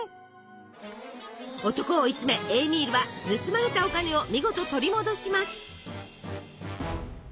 男を追い詰めエーミールは盗まれたお金を見事取り戻します。